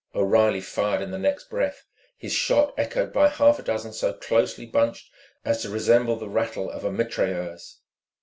O'Reilly fired in the next breath, his shot echoed by half a dozen so closely bunched as to resemble the rattle of a mitrailleuse.